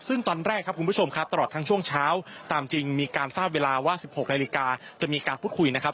ซึ่งตอนแรกครับคุณผู้ชมครับตลอดทั้งช่วงเช้าตามจริงมีการทราบเวลาว่า๑๖นาฬิกาจะมีการพูดคุยนะครับ